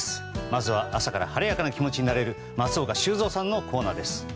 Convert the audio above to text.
まずは朝から晴れやかな気持ちになれる松岡修造さんのコーナーです。